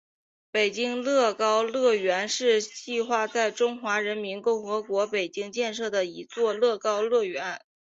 北京乐高乐园是计划在中华人民共和国北京建设的一座乐高乐园。